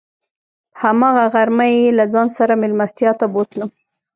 په هماغه غرمه یې له ځان سره میلمستیا ته بوتلم.